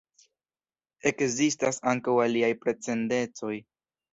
Ekzistas ankaŭ aliaj precedencoj.